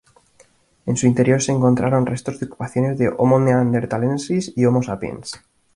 En su interior se encontraron restos de ocupaciones de "Homo neanderthalensis" y "Homo sapiens".